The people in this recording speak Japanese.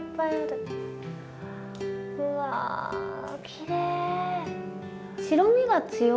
うわきれい。